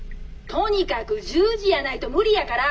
とにかく１０時やないと無理やから。